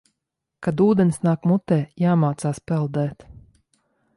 Kad ūdens nāk mutē, jāmācās peldēt.